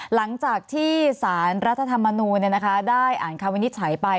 หลังจากที่สารรัฐธรรมนูลได้อ่านคำวินิจฉัยไป